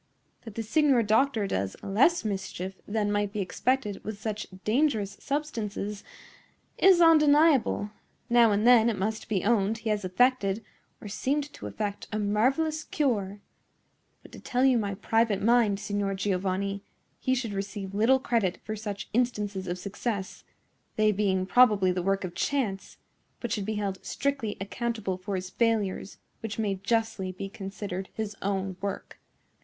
That the signor doctor does less mischief than might be expected with such dangerous substances is undeniable. Now and then, it must be owned, he has effected, or seemed to effect, a marvellous cure; but, to tell you my private mind, Signor Giovanni, he should receive little credit for such instances of success,—they being probably the work of chance,—but should be held strictly accountable for his failures, which may justly be considered his own work."